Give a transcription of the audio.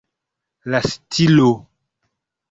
La stilo.